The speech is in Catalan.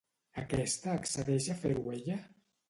Aquesta accedeix a fer-ho ella?